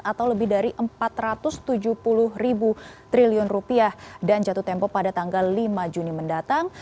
atau lebih dari empat ratus tujuh puluh ribu triliun rupiah dan jatuh tempo pada tanggal lima juni mendatang